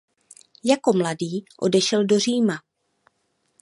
Jako mladý odešel do Říma.